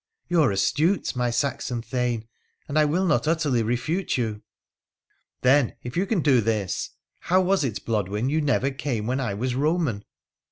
' You are astute, my Saxon thane, and I will not utterly refute you.' ' Then, if you can do this, how was it, Blodwen, you never came when I was Eoman